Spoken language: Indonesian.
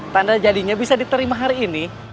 tanda jadinya bisa diterima hari ini